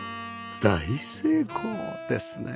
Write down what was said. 大成功ですね